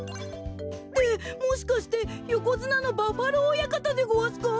えっもしかしてよこづなのバッファロー親方でごわすか！？